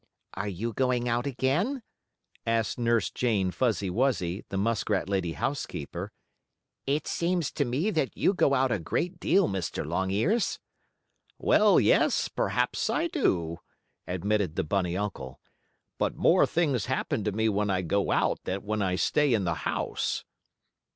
"Are you going out again?" asked Nurse Jane Fuzzy Wuzzy, the muskrat lady housekeeper. "It seems to me that you go out a great deal, Mr. Longears." "Well, yes; perhaps I do," admitted the bunny uncle. "But more things happen to me when I go out than when I stay in the house."